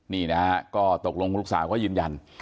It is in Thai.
นี่นะฮะก็ตกลงลูกสาวก็ยืนยัน